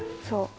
そう。